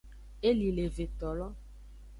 Eli le evetolo.